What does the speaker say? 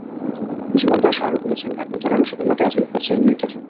ধীমান দাস আরও বলেছেন, এখন তাঁরা রসগোল্লাকে আধুনিক পর্যায়ে নিয়ে গেছেন।